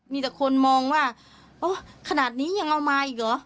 มีแต่คนมองว่าโอ้ขนาดนี้ยังเอามาอีกเหรอ